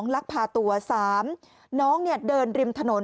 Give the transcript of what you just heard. ๒ลักพาตัว๓น้องเนี่ยเดินริมถนน